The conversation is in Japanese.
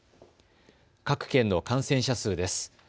各県の感染者数です。